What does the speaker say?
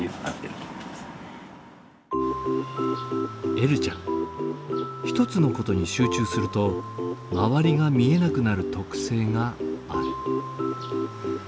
えるちゃん１つのことに集中すると周りが見えなくなる特性がある。